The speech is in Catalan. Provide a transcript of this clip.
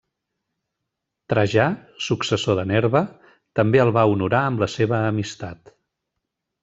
Trajà, successor de Nerva, també el va honorar amb la seva amistat.